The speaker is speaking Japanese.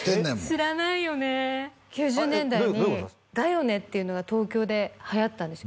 知らないよね９０年代に「ＤＡ．ＹＯ．ＮＥ」っていうのが東京ではやったんです